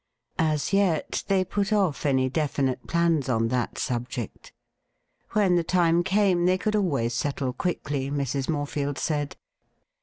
As yet they put off any definite plans on that subject. When the time came, they could always settle quickly, Mrs. Morefield said.